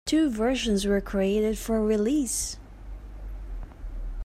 Two versions were created for release.